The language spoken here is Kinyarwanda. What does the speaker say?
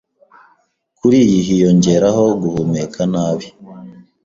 kuri iyi hiyongeraho guhumeka nabi